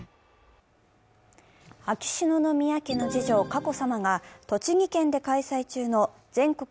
秋篠宮家の次女・佳子さまが栃木県で開催中の全国